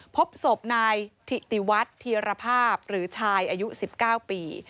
พบศพนายถิติวัฒน์ธีรภาพหรือชายอายุ๑๙ปี